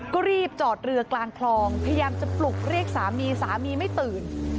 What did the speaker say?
ก็รีบจอดเรือกลางคลองพยายามจะปลุกเรียกสามีสามีไม่ตื่น